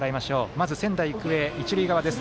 まず仙台育英、一塁側です。